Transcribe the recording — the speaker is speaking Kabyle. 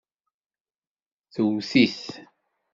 Tewwet-it.